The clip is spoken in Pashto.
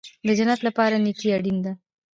د جنت لپاره نیکي اړین ده